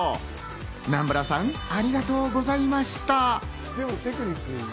南原さん、ありがとうございました。